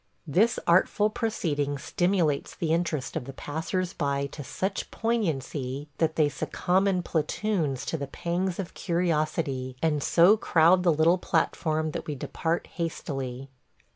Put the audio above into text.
This artful proceeding stimulates the interest of the passers by to such poignancy that they succumb in platoons to the pangs of curiosity, and so crowd the little platform that we depart hastily.